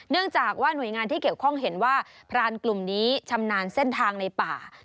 เนื่องจากว่าหน่วยงานที่เกี่ยวข้องเห็นว่าพรานกลุ่มนี้ชำนาญเส้นทางในป่า